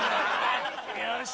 よし！